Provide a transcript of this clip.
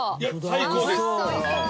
最高です。